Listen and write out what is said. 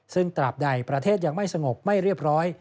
ซึ่งตราบใดประเทศยังไม่สงบไม่เรียบร้อย